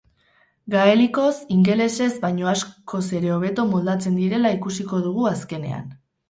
Gaelikoz ingelesez baino askoz ere hobeto moldatzen direla ikusiko dugu azkenean.